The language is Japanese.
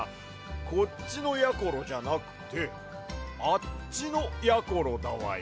こっちのやころじゃなくてあっちのやころだわや。